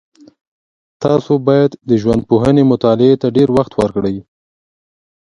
تاسو باید د ژوندپوهنې مطالعې ته ډېر وخت ورکړئ.